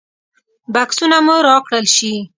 بکسونه مو راکړل شي.